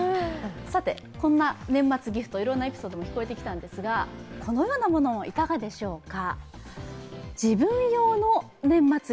こんな年末ギフト、いろんなエピソード聞こえてきたんですがこのようなものは、いかがでしょうか。